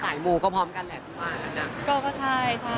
พี่งานก็พร้อมกั่นค่ะ